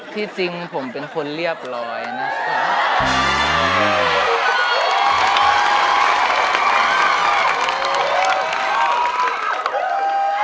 ที่จริงผมเป็นคนเรียบร้อยนะครับ